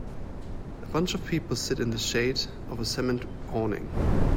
A bunch of people sit in the shade of a cement awning.